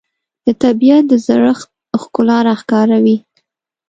د طبیعت د زړښت ښکلا راښکاره وي